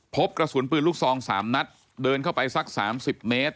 พบกระสุนปืนลูกซอง๓นัดเดินเข้าไปสัก๓๐เมตร